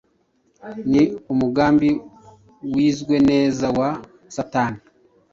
ni umugambi wizwe neza wa Satani.